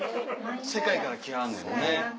世界から来はんねんね。